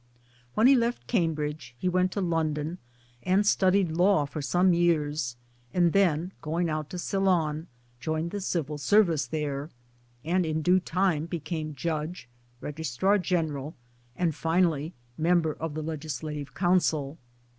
When he left Cambridge he went to London and studied Law for some years, and then going out to Ceylon joined the Civil Service there, and in due time became Judge, Registrar General, and finally Member of the Legislative Council.